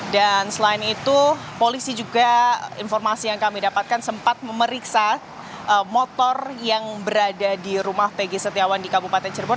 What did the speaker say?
dan selain itu polisi juga informasi yang kami dapatkan sempat memeriksa motor yang berada di rumah pegi setiawan di kabupaten cirebon